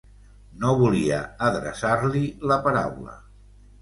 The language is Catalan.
No volia adreçar-li la paraula.